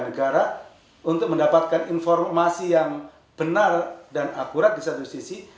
dan negara untuk mendapatkan informasi yang benar dan akurat di satu sisi